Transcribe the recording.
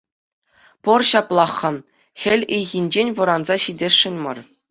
Пӑр ҫаплах-ха хӗл ыйхинчен вӑранса ҫитесшӗн мар.